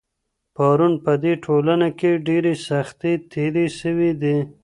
پرون په دې ټولنه کي ډېرې سختۍ تېري سوي دي.